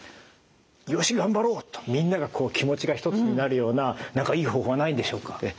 よし頑張ろうとみんながこう気持ちが一つになるような何かいい方法はないんでしょうか。